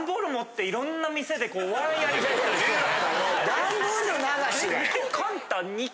段ボールの流し。